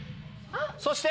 そして？